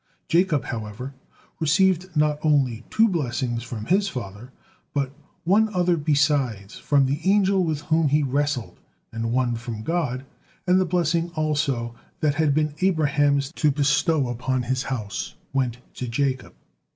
Jacob, however, received not only two blessings from his father, but one other besides from the angel with whom he wrestled, and one from God; and the blessing also that had been Abraham's to bestow upon his house went to Jacob.